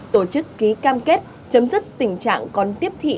tổ chức ký cam kết chấm dứt tình trạng còn tiếp thị